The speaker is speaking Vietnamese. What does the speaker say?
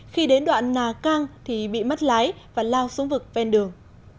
khi đến đoạn nà cang thì bị mất lái và lao xuống vực ven đường